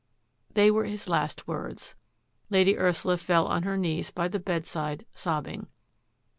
They were his last words. Lady Ursula fell on her knees by the bedside, sobbing.